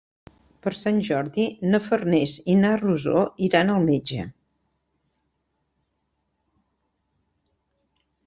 Per Sant Jordi na Farners i na Rosó iran al metge.